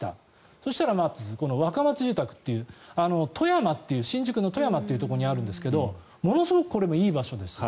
そしたら、まず若松住宅という新宿の戸山というところにあるんですがものすごくこれもいい場所です。